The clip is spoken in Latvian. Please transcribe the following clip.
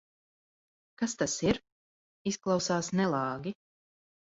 Kas tas ir? Izklausās nelāgi.